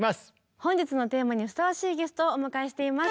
本日のテーマにふさわしいゲストをお迎えしています。